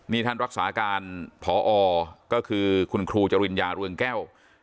นี่ท่านรักษาการพอก็คือคุณครูจริญญาเรืองแก้ว